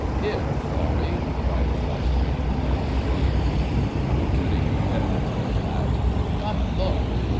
"'Ere, Florrie!" called a flushed maiden of Hebraic mien, obtruding her head into the flat, "come an' look!"